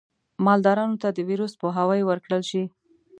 مالدارانو ته د ویروس پوهاوی ورکړل شي.